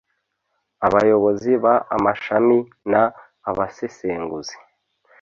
Abayobozi b amashami n abasesenguzi